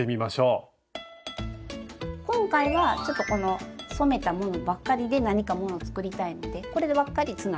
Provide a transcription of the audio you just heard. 今回はちょっとこの染めたものばっかりで何かもの作りたいのでこれでばっかりつなぐ。